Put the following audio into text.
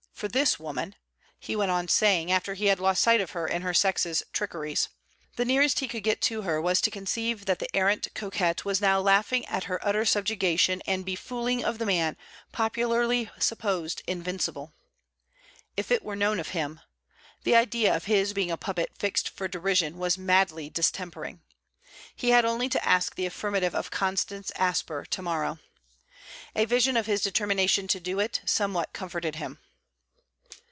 'For this woman...!' he went on saying after he had lost sight of her in her sex's trickeries. The nearest he could get to her was to conceive that the arrant coquette was now laughing at her utter subjugation and befooling of the man popularly supposed invincible. If it were known of him! The idea of his being a puppet fixed for derision was madly distempering. He had only to ask the affirmative of Constance Asper to morrow! A vision of his determination to do it, somewhat comforted him.